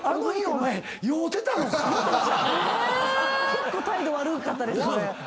結構態度悪かったですよね。